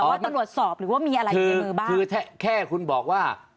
ว่าตำรวจสอบหรือว่ามีอะไรอยู่ในมือบ้างคือแค่แค่คุณบอกว่า